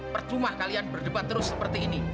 percuma kalian berdebat terus seperti ini